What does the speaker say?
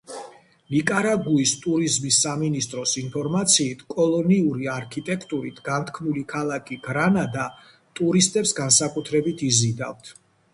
ნიკარაგუის ტურიზმის სამინისტროს ინფორმაციით კოლონიური არქიტექტურით განთქმული ქალაქი გრანადა ტურისტებს განსაკუთრებით იზიდავთ.